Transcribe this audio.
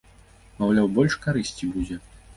Маўляў, больш карысці будзе.